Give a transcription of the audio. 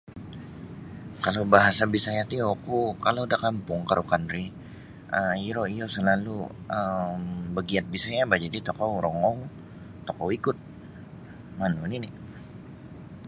Kalau bahasa bisaya ti oku kalau da kampung Kerukan ri um iro iro salalu um bagiyad bisaya bah jadi tokou rongou tokou ikut manu nini.